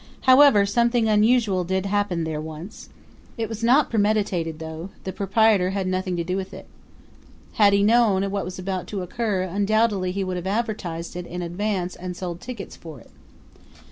However, something unusual did happen there once. It was not premeditated though; the proprietor had nothing to do with it. Had he known what was about to occur undoubtedly he would have advertised it in advance and sold tickets for it.